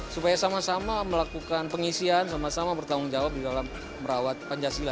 supaya sama sama melakukan pengisian sama sama bertanggung jawab di dalam merawat pancasila